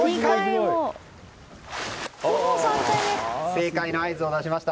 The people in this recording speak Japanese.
正解の合図を出しました。